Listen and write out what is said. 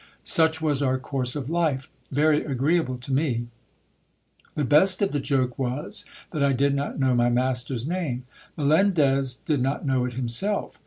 Such was our course of life, very agreeable to me. The best of the joke was, that I did not know my master's name. Melendez did not know it himself.